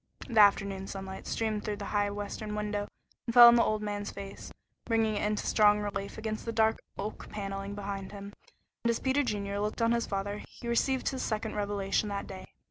The afternoon sunlight streamed through the high western window and fell on the older man's face, bringing it into strong relief against the dark oak paneling behind him, and as Peter Junior looked on his father he received his second revelation that day.